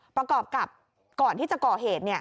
ประกอบกับก่อนที่จะก่อเหตุ